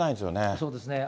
そうですね。